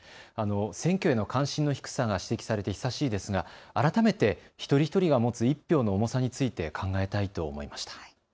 選挙への関心の低さが指摘されて久しいですが改めて一人一人が持つ１票の重さについて考えたいと思いました。